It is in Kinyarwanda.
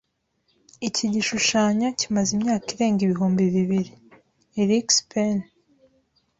Iki gishushanyo kimaze imyaka irenga ibihumbi bibiri. (erikspen)